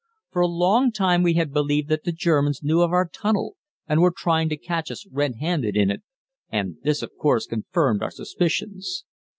For a long time we had believed that the Germans knew of our tunnel and were trying to catch us red handed in it, and this of course confirmed our suspicions.